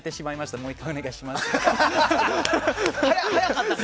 もう１回、お願いします。